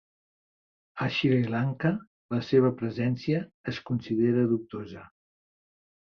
A Sri Lanka, la seva presència es considera dubtosa.